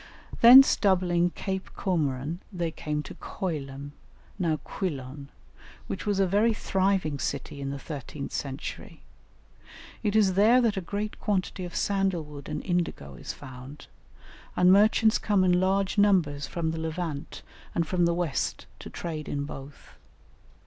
Thence doubling Cape Comorin they came to Coilum, now Quilon, which was a very thriving city in the thirteenth century. It is there that a great quantity of sandal wood and indigo is found, and merchants come in large numbers from the Levant and from the West to trade in both.